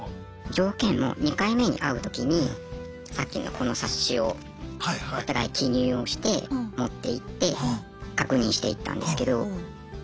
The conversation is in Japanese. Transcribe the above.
条件も２回目に会う時にさっきのこの冊子をお互い記入をして持っていって確認していったんですけどま